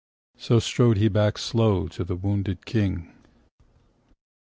So strode he back slow to the wounded King.